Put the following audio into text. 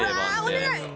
お願い！